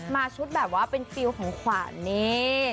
ชุดแบบว่าเป็นฟิลของขวัญนี่